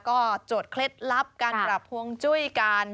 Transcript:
ก็โจทย์เคล็ดลับการปรับฮวงจุ้ยกัน